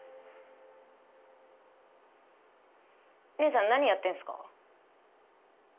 姐さん何やってるんすか？